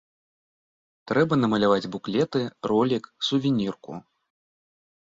Трэба намаляваць буклеты, ролік, сувенірку.